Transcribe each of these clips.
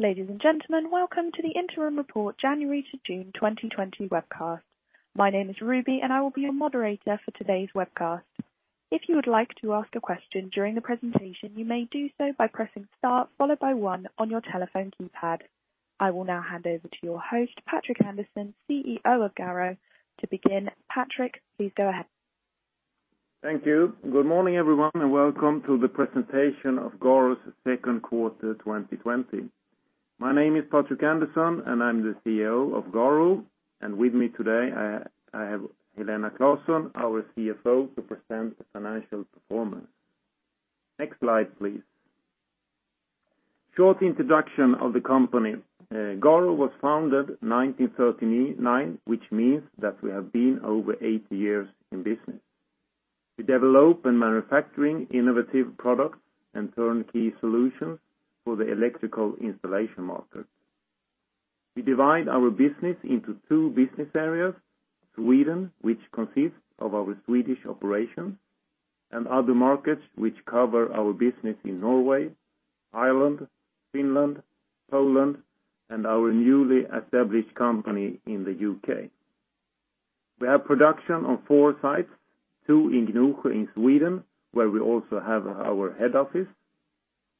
Ladies and gentlemen, welcome to the Interim Report, January to June 2020 webcast. My name is Ruby, and I will be your moderator for today's webcast. If you would like to ask a question during the presentation, you may do so by pressing star followed by one on your telephone keypad. I will now hand over to your host, Patrik Andersson, CEO of Garo. To begin, Patrik, please go ahead. Thank you. Good morning, everyone, and welcome to the presentation of Garo's second quarter 2020. My name is Patrik Andersson, and I'm the CEO of Garo, and with me today, I have Helena Claesson, our CFO, to present the financial performance. Next slide, please. Short introduction of the company. Garo was founded in 1939, which means that we have been over 80 years in business. We develop and manufacture innovative products and turnkey solutions for the electrical installation market. We divide our business into two business areas: Sweden, which consists of our Swedish operations, and other markets which cover our business in Norway, Ireland, Finland, Poland, and our newly established company in the U.K. We have production on four sites: two in Gnosjö in Sweden, where we also have our head office,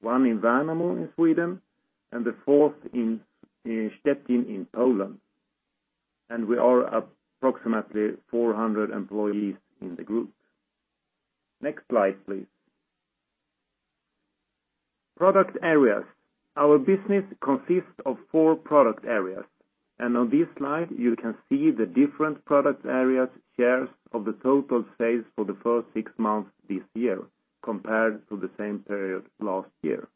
one in Värnamo in Sweden, and the fourth in Szczecin in Poland. We are approximately 400 employees in the group. Next slide, please. Product areas. Our business consists of four product areas, and on this slide, you can see the different product areas' shares of the total sales for the first six months this year, compared to the same period last year.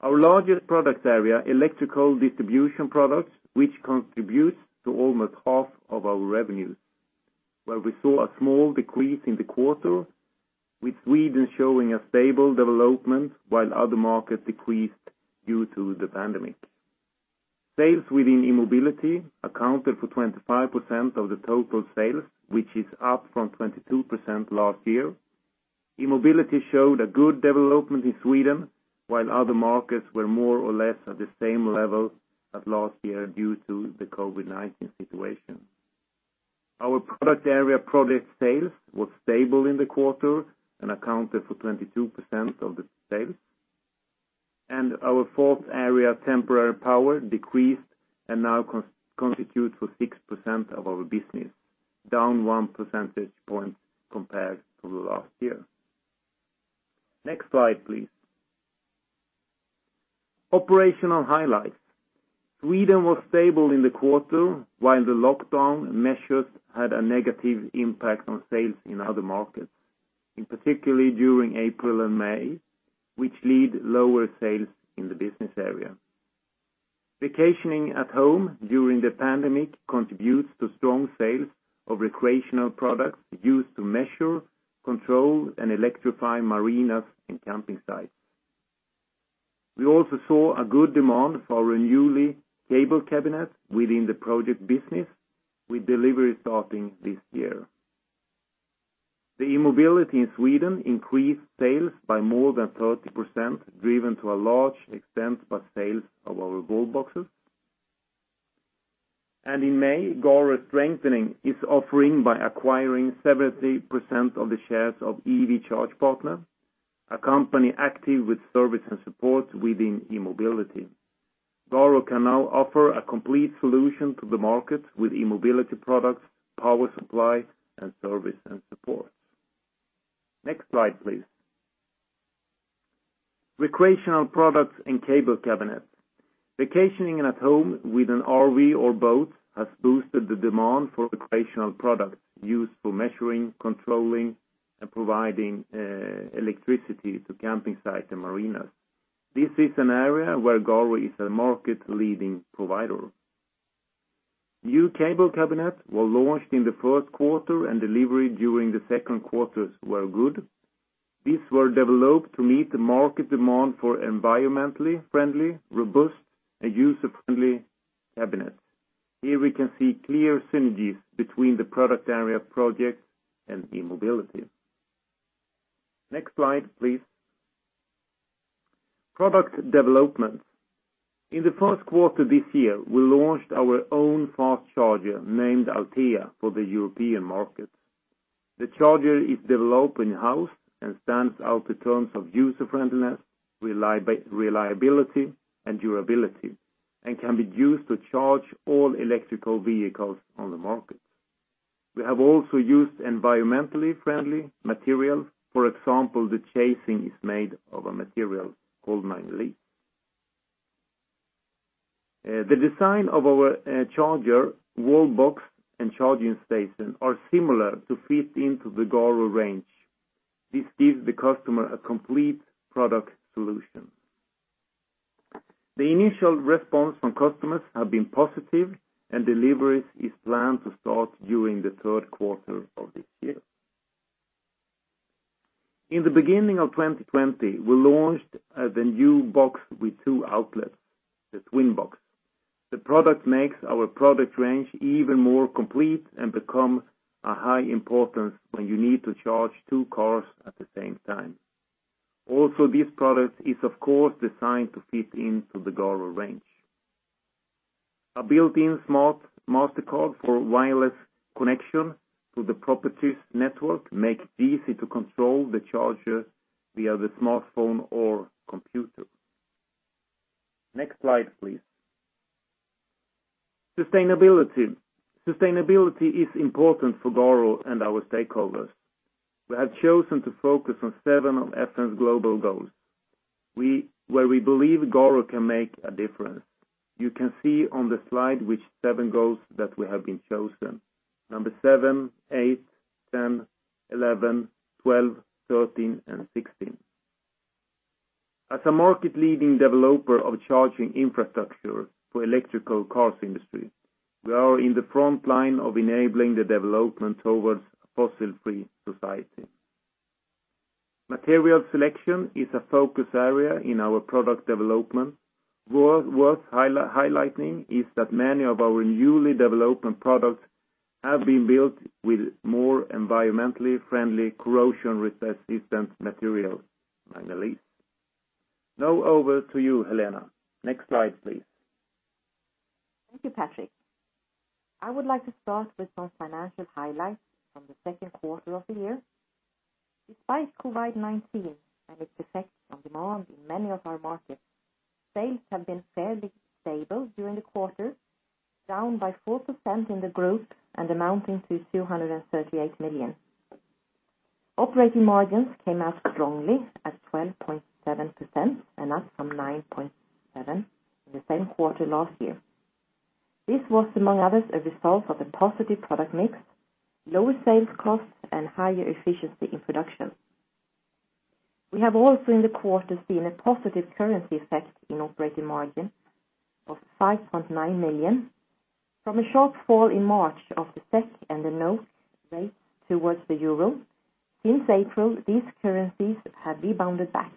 Our largest product area is electrical distribution products, which contributes to almost half of our revenues, where we saw a small decrease in the quarter, with Sweden showing a stable development while other markets decreased due to the pandemic. Sales within E-mobility accounted for 25% of the total sales, which is up from 22% last year. E-mobility showed a good development in Sweden, while other markets were more or less at the same level as last year due to the COVID-19 situation. Our protection product sales were stable in the quarter and accounted for 22% of the sales. Our fourth area, temporary power, decreased and now constitutes 6% of our business, down 1 percentage point compared to last year. Next slide, please. Operational highlights. Sweden was stable in the quarter, while the lockdown measures had a negative impact on sales in other markets, particularly during April and May, which led to lower sales in the business area. Vacationing at home during the pandemic contributes to strong sales of recreational products used to measure, control, and electrify marinas and camping sites. We also saw a good demand for our new cable cabinets within the project business, with delivery starting this year. The E-mobility in Sweden increased sales by more than 30%, driven to a large extent by sales of our wallboxes. In May, Garo is strengthening its offering by acquiring 70% of the shares of EV Charge Partner, a company active with service and support within E-mobility. Garo can now offer a complete solution to the market with E-mobility products, power supply, and service and support. Next slide, please. Recreational products and cable cabinets. Vacationing at home with an RV or boat has boosted the demand for recreational products used for measuring, controlling, and providing electricity to camping sites and marinas. This is an area where Garo is a market-leading provider. New cable cabinets were launched in the first quarter, and delivery during the second quarter was good. These were developed to meet the market demand for environmentally friendly, robust, and user-friendly cabinets. Here we can see clear synergies between the product area project and E-mobility. Next slide, please. Product development. In the first quarter this year, we launched our own fast charger named Atle for the European market. The charger is developed in-house and stands out in terms of user-friendliness, reliability, and durability, and can be used to charge all electric vehicles on the market. We have also used environmentally friendly materials, for example, the casing is made of a material called nylon. The design of our charger, wall box, and charging station are similar to fit into the Garo range. This gives the customer a complete product solution. The initial response from customers has been positive, and delivery is planned to start during the third quarter of this year. In the beginning of 2020, we launched the new box with two outlets, the Twin box. The product makes our product range even more complete and becomes of high importance when you need to charge two cars at the same time. Also, this product is, of course, designed to fit into the Garo range. A built-in smart master card for wireless connection to the property's network makes it easy to control the charger via the smartphone or computer. Next slide, please. Sustainability. Sustainability is important for Garo and our stakeholders. We have chosen to focus on seven of UN's Global Goals, where we believe Garo can make a difference. You can see on the slide which seven goals that we have been chosen: number seven, eight, 10, 11, 12, 13, and 16. As a market-leading developer of charging infrastructure for the electric cars industry, we are in the front line of enabling the development towards a fossil-free society. Material selection is a focus area in our product development. Worth highlighting is that many of our newly developed products have been built with more environmentally friendly, corrosion-resistant materials, nylon. Now over to you, Helena. Next slide, please. Thank you, Patrik. I would like to start with some financial highlights from the second quarter of the year. Despite COVID-19 and its effects on demand in many of our markets, sales have been fairly stable during the quarter, down by 4% in the group and amounting to 238 million. Operating margins came out strongly at 12.7% and up from 9.7% in the same quarter last year. This was, among others, a result of a positive product mix, lower sales costs, and higher efficiency in production. We have also, in the quarter, seen a positive currency effect in operating margins of 5.9 million. From a sharp fall in March of the SEK and the NOK rates towards the euro, since April, these currencies have rebounded back.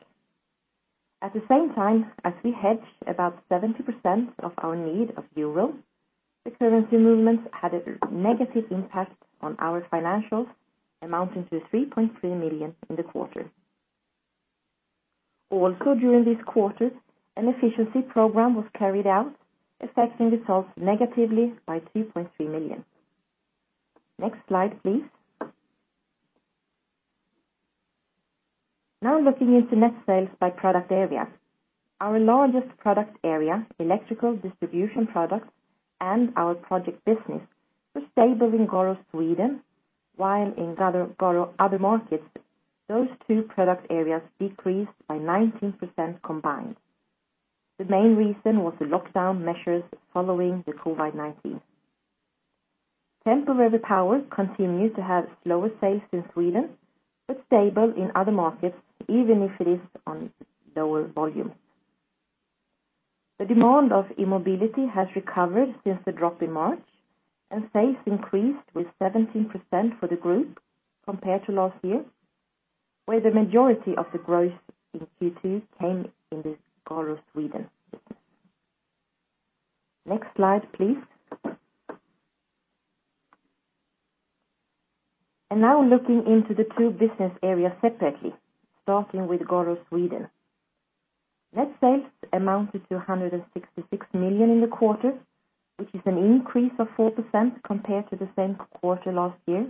At the same time as we hedged about 70% of our need of Euro, the currency movements had a negative impact on our financials, amounting to 3.3 million in the quarter. Also, during this quarter, an efficiency program was carried out, affecting results negatively by 2.3 million. Next slide, please. Now looking into net sales by product area. Our largest product area, electrical distribution products, and our project business were stable in Garo, Sweden, while in Garo, other markets, those two product areas decreased by 19% combined. The main reason was the lockdown measures following the COVID-19. Temporary power continues to have lower sales in Sweden but stable in other markets, even if it is on lower volumes. The demand for E-mobility has recovered since the drop in March, and sales increased with 17% for the group compared to last year, where the majority of the growth in Q2 came in the Garo, Sweden business. Next slide, please. Now looking into the two business areas separately, starting with Garo, Sweden. Net sales amounted to 166 million in the quarter, which is an increase of 4% compared to the same quarter last year.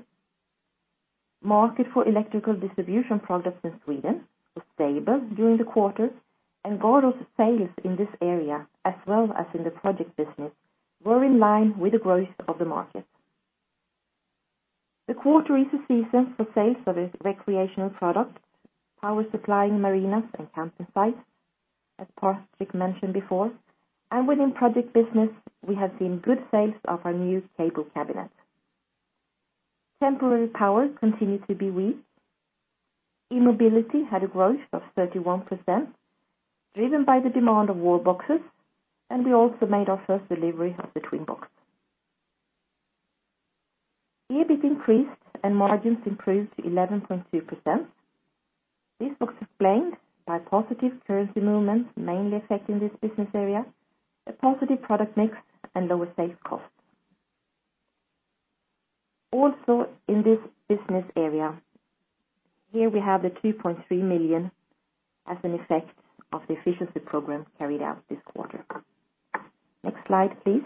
Market for electrical distribution products in Sweden was stable during the quarter, and Garo's sales in this area, as well as in the project business, were in line with the growth of the market. The quarter is a season for sales of recreational products, power supplying marinas and camping sites, as Patrik mentioned before. Within project business, we have seen good sales of our new cable cabinets. Temporary power continued to be weak. E-mobility had a growth of 31%, driven by the demand of wallboxes, and we also made our first delivery of the Twin box. EBIT increased and margins improved to 11.2%. This was explained by positive currency movements mainly affecting this business area, a positive product mix, and lower sales costs. Also, in this business area, here we have 2.3 million as an effect of the efficiency program carried out this quarter. Next slide, please.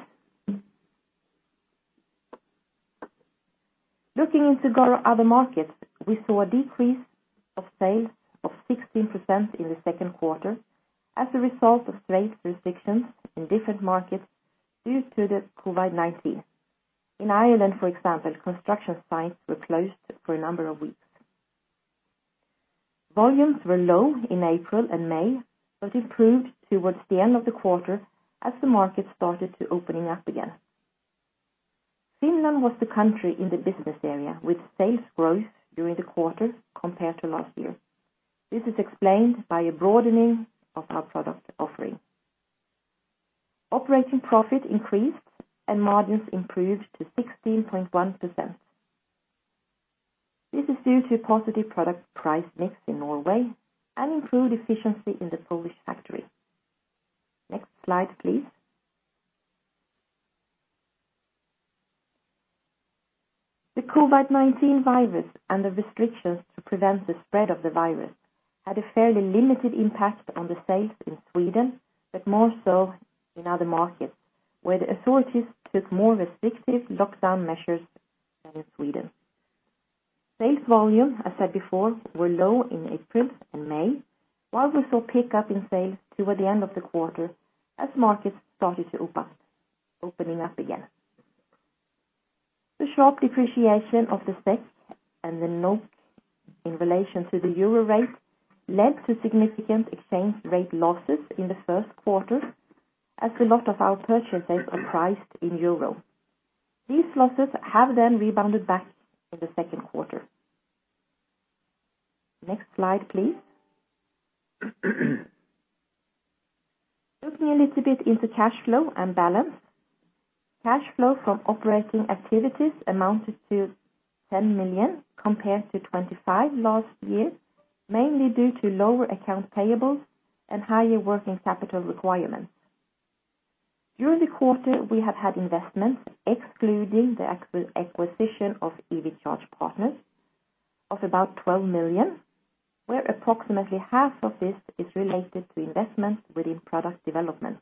Looking into Garo's other markets, we saw a decrease of sales of 16% in the second quarter as a result of trade restrictions in different markets due to the COVID-19. In Ireland, for example, construction sites were closed for a number of weeks. Volumes were low in April and May but improved towards the end of the quarter as the market started to open up again. Finland was the country in the business area with sales growth during the quarter compared to last year. This is explained by a broadening of our product offering. Operating profit increased and margins improved to 16.1%. This is due to a positive product price mix in Norway and improved efficiency in the Polish factory. Next slide, please. The COVID-19 virus and the restrictions to prevent the spread of the virus had a fairly limited impact on the sales in Sweden but more so in other markets, where the authorities took more restrictive lockdown measures than in Sweden. Sales volume, as I said before, were low in April and May, while we saw pickup in sales toward the end of the quarter as markets started to open up again. The sharp depreciation of the SEK and the NOK in relation to the euro rate led to significant exchange rate losses in the first quarter as a lot of our purchases were priced in euro. These losses have then rebounded back in the second quarter. Next slide, please. Looking a little bit into cash flow and balance, cash flow from operating activities amounted to 10 million compared to 25 million last year, mainly due to lower account payables and higher working capital requirements. During the quarter, we have had investments, excluding the acquisition of EV Charge Partner, of about 12 million, where approximately half of this is related to investments within product development.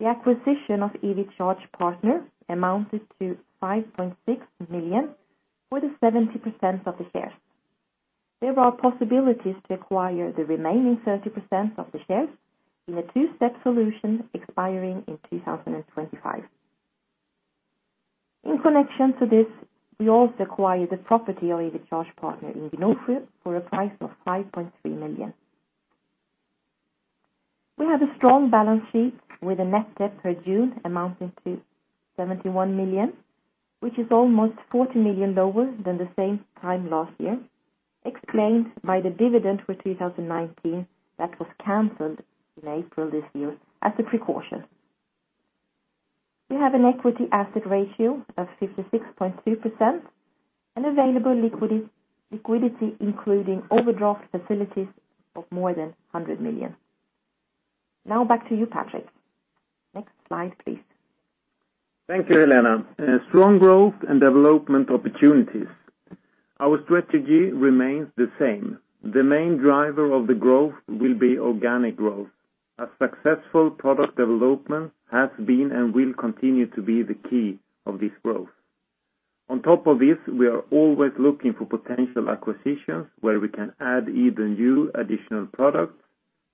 The acquisition of EV Charge Partner amounted to 5.6 million with 70% of the shares. There are possibilities to acquire the remaining 30% of the shares in a two-step solution expiring in 2025. In connection to this, we also acquired the property of EV Charge Partner in Gnosjö for a price of 5.3 million. We have a strong balance sheet with a net debt per June amounting to 71 million, which is almost 40 million lower than the same time last year, explained by the dividend for 2019 that was canceled in April this year as a precaution. We have an equity-asset ratio of 56.2% and available liquidity, including overdraft facilities, of more than 100 million. Now back to you, Patrik. Next slide, please. Thank you, Helena. Strong growth and development opportunities. Our strategy remains the same. The main driver of the growth will be organic growth. A successful product development has been and will continue to be the key of this growth. On top of this, we are always looking for potential acquisitions where we can add either new additional products,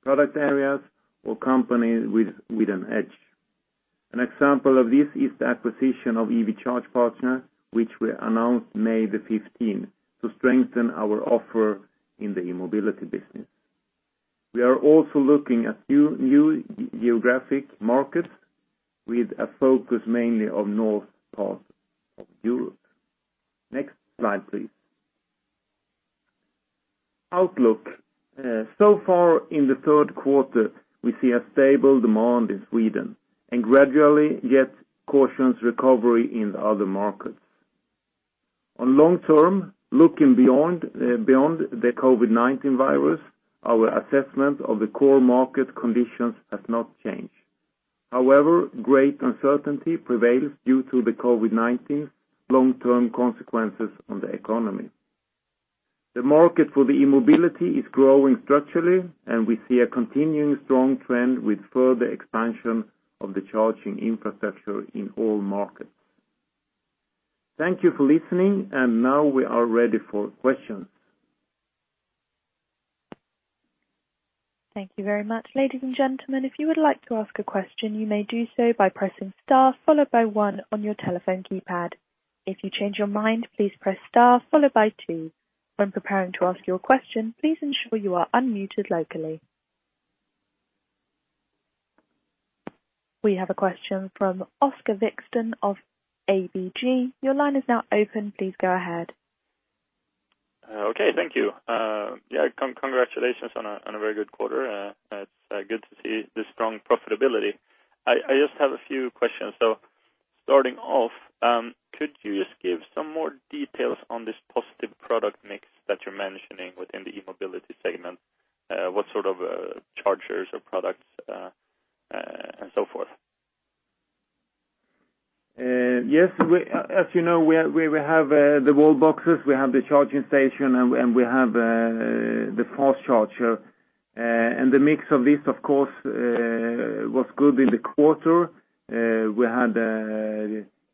product areas, or companies with an edge. An example of this is the acquisition of EV Charge Partner, which we announced May the 15th to strengthen our offer in the E-mobility business. We are also looking at new geographic markets with a focus mainly on the north part of Europe. Next slide, please. Outlook. So far, in the third quarter, we see a stable demand in Sweden and gradually getting cautious recovery in other markets. the long term, looking beyond the COVID-19 virus, our assessment of the core market conditions has not changed. However, great uncertainty prevails due to the COVID-19 long-term consequences on the economy. The market for the E-mobility is growing structurally, and we see a continuing strong trend with further expansion of the charging infrastructure in all markets. Thank you for listening, and now we are ready for questions. Thank you very much. Ladies and gentlemen, if you would like to ask a question, you may do so by pressing star followed by one on your telephone keypad. If you change your mind, please press star followed by two. When preparing to ask your question, please ensure you are unmuted locally. We have a question from Oscar Vikström of ABG. Your line is now open. Please go ahead. Okay. Thank you. Yeah, congratulations on a very good quarter. It's good to see the strong profitability. I just have a few questions, so starting off, could you just give some more details on this positive product mix that you're mentioning within the E-mobility segment? What sort of chargers or products and so forth? Yes. As you know, we have the wallboxes, we have the charging station, and we have the fast charger, and the mix of this, of course, was good in the quarter. We had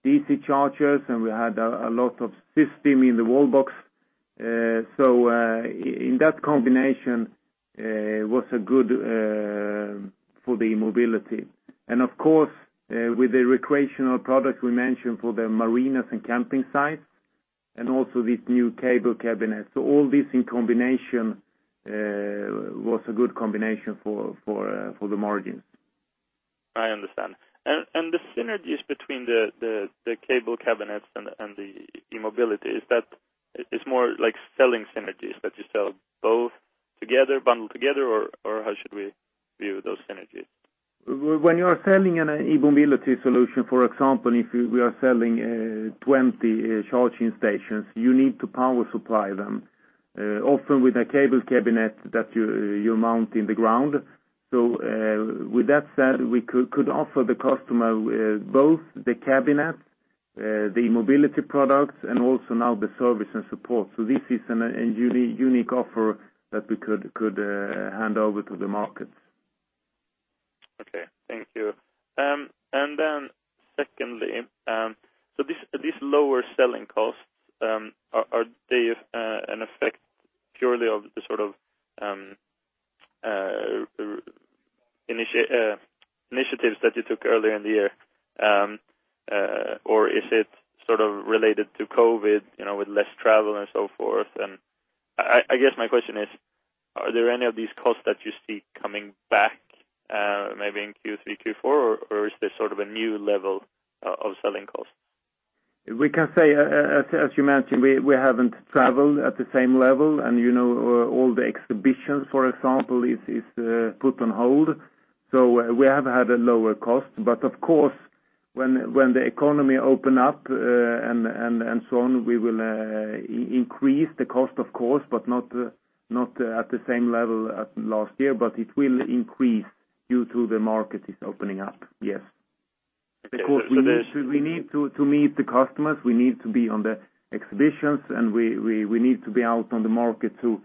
DC chargers, and we had a lot of system in the wall box, so in that combination, it was good for the E-mobility. And of course, with the recreational products we mentioned for the marinas and camping sites and also these new cable cabinets, so all this in combination was a good combination for the margins. I understand. And the synergies between the cable cabinets and the E-mobility, is that it's more like selling synergies that you sell both together, bundled together, or how should we view those synergies? When you are selling an E-mobility solution, for example, if we are selling 20 charging stations, you need to power supply them, often with a cable cabinet that you mount in the ground. So with that said, we could offer the customer both the cabinets, the E-mobility products, and also now the service and support. So this is a unique offer that we could hand over to the markets. Okay. Thank you. And then secondly, so these lower selling costs, are they an effect purely of the sort of initiatives that you took earlier in the year, or is it sort of related to COVID with less travel and so forth? And I guess my question is, are there any of these costs that you see coming back maybe in Q3, Q4, or is this sort of a new level of selling costs? We can say, as you mentioned, we haven't traveled at the same level, and all the exhibitions, for example, are put on hold, so we have had lower costs, but of course, when the economy opens up and so on, we will increase the cost, of course, but not at the same level as last year, but it will increase due to the markets opening up, yes. Okay. So then. Because we need to meet the customers, we need to be on the exhibitions, and we need to be out on the market to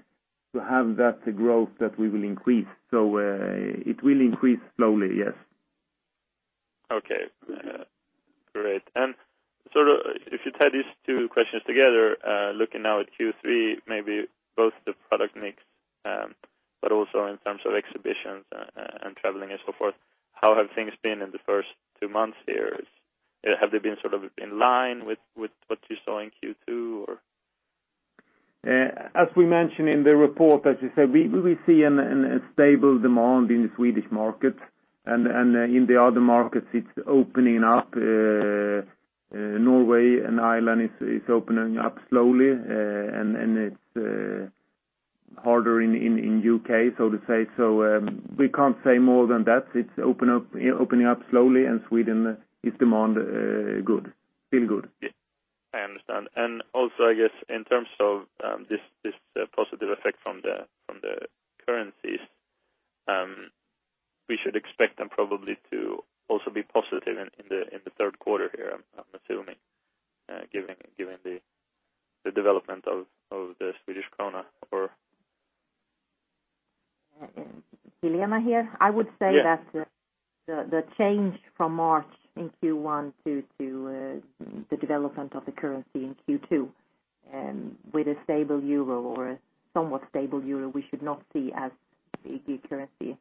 have that growth that we will increase. So it will increase slowly, yes. Okay. Great. And sort of if you tie these two questions together, looking now at Q3, maybe both the product mix but also in terms of exhibitions and traveling and so forth, how have things been in the first two months here? Have they been sort of in line with what you saw in Q2, or? As we mentioned in the report, as you said, we see a stable demand in the Swedish market, and in the other markets, it's opening up. Norway and Ireland are opening up slowly, and it's harder in the U.K., so to say. So we can't say more than that. It's opening up slowly, and Sweden's demand is good, still good. I understand. And also, I guess, in terms of this positive effect from the currencies, we should expect them probably to also be positive in the third quarter here, I'm assuming, given the development of the Swedish krona, or? Helena here. I would say that the change from March in Q1 to the development of the currency in Q2, with a stable euro or a somewhat stable euro, we should not see as big currency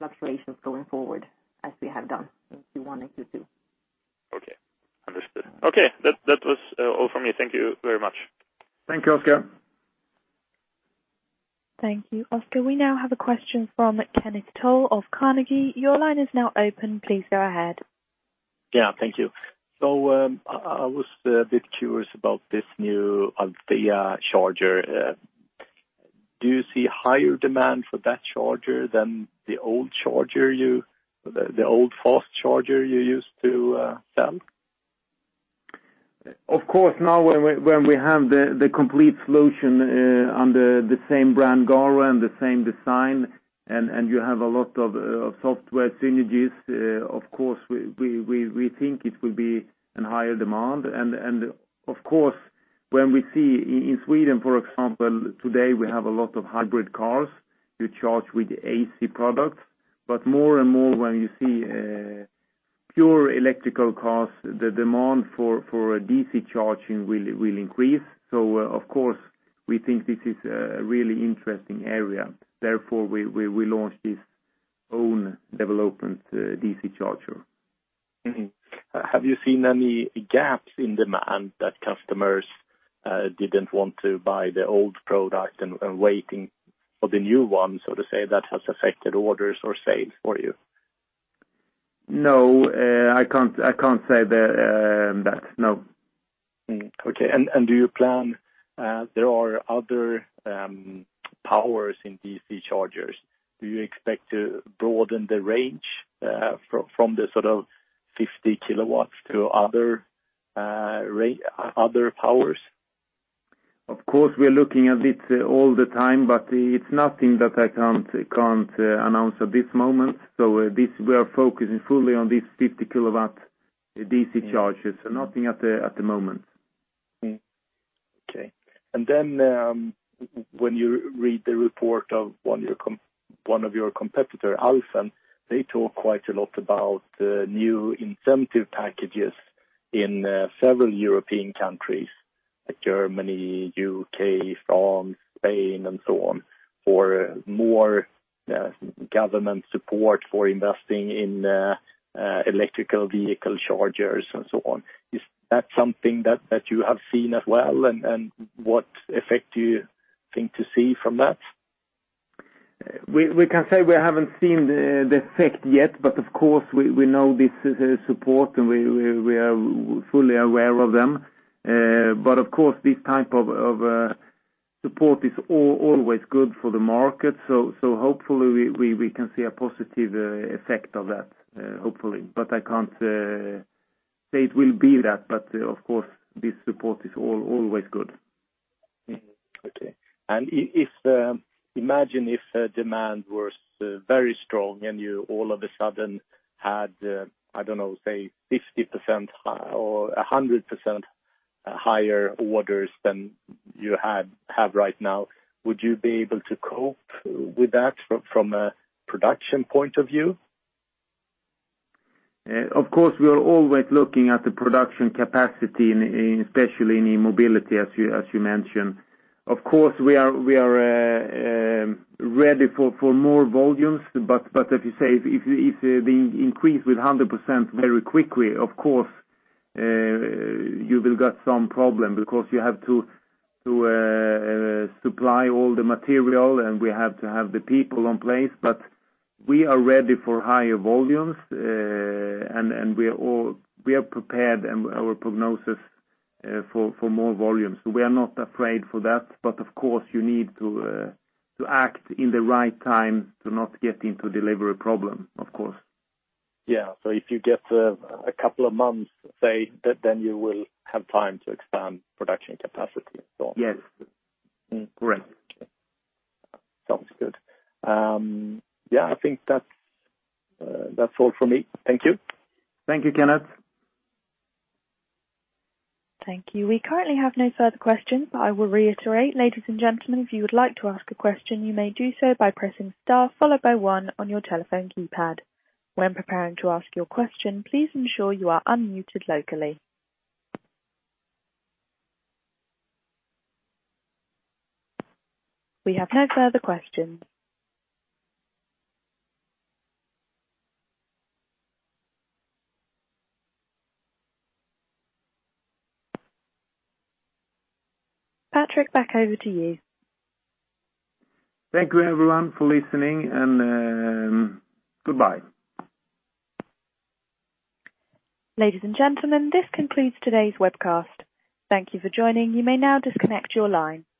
fluctuations going forward as we have done in Q1 and Q2. Okay. Understood. Okay. That was all from me. Thank you very much. Thank you, Oscar. Thank you, Oscar. We now have a question from Kenneth Toll of Carnegie. Your line is now open. Please go ahead. Yeah. Thank you. So I was a bit curious about this new Atle charger. Do you see higher demand for that charger than the old charger, the old fast charger you used to sell? Of course, now when we have the complete solution under the same brand Garo and the same design, and you have a lot of software synergies, of course, we think it will be in higher demand. And of course, when we see in Sweden, for example, today, we have a lot of hybrid cars to charge with AC products. But more and more, when you see pure electrical cars, the demand for DC charging will increase. So of course, we think this is a really interesting area. Therefore, we launched this own development DC charger. Have you seen any gaps in demand that customers didn't want to buy the old product and waiting for the new one, so to say, that has affected orders or sales for you? No. I can't say that. No. Okay. And do you plan to have other powers in DC chargers? Do you expect to broaden the range from the sort of 50 kW to other powers? Of course, we're looking at it all the time, but it's nothing that I can't announce at this moment. We are focusing fully on these 50 kW DC chargers. Nothing at the moment. Okay. And then when you read the report of one of your competitors, Alfen, they talk quite a lot about new incentive packages in several European countries, like Germany, UK, France, Spain, and so on, for more government support for investing in electric vehicle chargers and so on. Is that something that you have seen as well, and what effect do you think to see from that? We can say we haven't seen the effect yet, but of course, we know this support, and we are fully aware of them. But of course, this type of support is always good for the market. So hopefully, we can see a positive effect of that, hopefully. But I can't say it will be that, but of course, this support is always good. Okay. And imagine if demand was very strong and you all of a sudden had, I don't know, say, 50% or 100% higher orders than you have right now. Would you be able to cope with that from a production point of view? Of course, we are always looking at the production capacity, especially in E-mobility, as you mentioned. Of course, we are ready for more volumes. But as you say, if the increase with 100% very quickly, of course, you will get some problem because you have to supply all the material, and we have to have the people in place. But we are ready for higher volumes, and we are prepared and our prognosis for more volumes. So we are not afraid for that. But of course, you need to act in the right time to not get into delivery problem, of course. Yeah, so if you get a couple of months, say, then you will have time to expand production capacity and so on. Yes. Correct. Sounds good. Yeah. I think that's all from me. Thank you. Thank you, Kenneth. Thank you. We currently have no further questions, but I will reiterate, ladies and gentlemen, if you would like to ask a question, you may do so by pressing star followed by one on your telephone keypad. When preparing to ask your question, please ensure you are unmuted locally. We have no further questions. Patrik, back over to you. Thank you, everyone, for listening, and goodbye. Ladies and gentlemen, this concludes today's webcast. Thank you for joining. You may now disconnect your line.